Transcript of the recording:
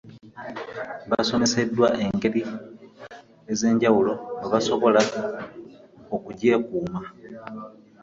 Basomeseddwa n'engeri ez'enjawulo mwe basobola okugyekuuma.